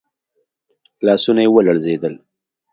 لاسونه يې ولړزېدل.